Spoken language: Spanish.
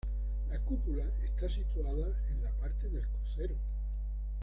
La cúpula está situada en la parte del crucero.